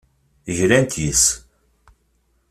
Glant yes-s.